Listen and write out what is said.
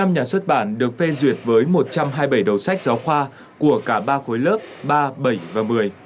một mươi nhà xuất bản được phê duyệt với một trăm hai mươi bảy đầu sách giáo khoa của cả ba khối lớp ba bảy và một mươi